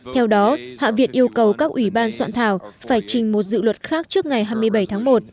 theo đó hạ viện yêu cầu các ủy ban soạn thảo phải trình một dự luật khác trước ngày hai mươi bảy tháng một